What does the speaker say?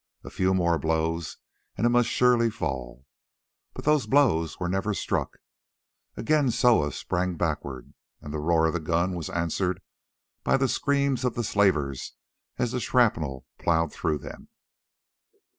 A few more blows and it must surely fall. But those blows were never struck. Again Soa sprang backwards, and the roar of the gun was answered by the screams of the slavers as the shrapnel ploughed through them.